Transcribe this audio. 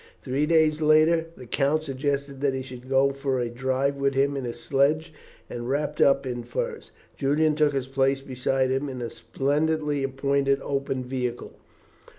Three days later, the Count suggested that he should go for a drive with him in his sledge, and, wrapped up in furs, Julian took his place beside him in a splendidly appointed open vehicle.